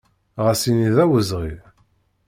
Ɣas ini d awezɣi.